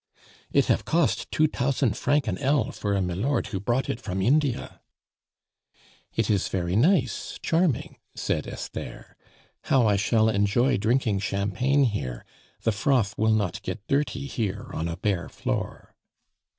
"It hafe cost two tousand franc' an ell for a milord who brought it from Intia " "It is very nice, charming," said Esther. "How I shall enjoy drinking champagne here; the froth will not get dirty here on a bare floor."